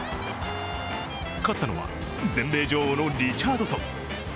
勝ったのは全米女王のリチャードソン。